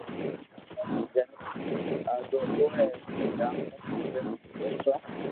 جنم لآدو ھتو اي ري وجھ مون اوري ايتو